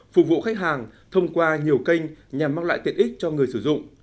phục vụ khách hàng thông qua nhiều kênh nhằm mang lại tiện ích cho người sử dụng